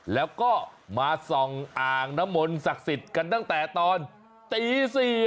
แล้วก็มาส่องอ่างน้ำมนต์ศักดิ์สิทธิ์กันตั้งแต่ตอนตี๔